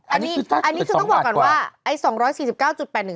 อันนี้คือถ้าเกือบ๒บาทกว่าอันนี้คือต้องบอกก่อนว่า